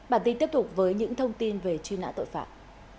bản tin tiếp tục với những thông tin về chuyên lãn tội phạm